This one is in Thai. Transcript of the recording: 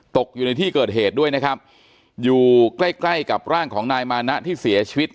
อยู่ในที่เกิดเหตุด้วยนะครับอยู่ใกล้ใกล้กับร่างของนายมานะที่เสียชีวิต